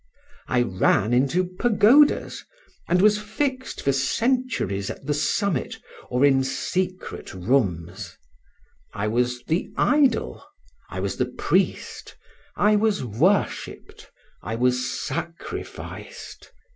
I ran into pagodas, and was fixed for centuries at the summit or in secret rooms: I was the idol; I was the priest; I was worshipped; I was sacrificed.